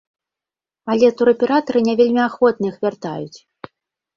Але тураператары не вельмі ахвотна іх вяртаюць.